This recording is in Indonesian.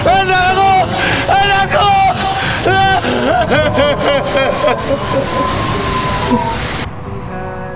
enak oh enak oh